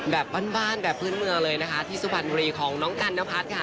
แบบบ้านแบบพื้นเมืองเลยนะคะที่สุพรรณบุรีของน้องกันนพัฒน์ค่ะ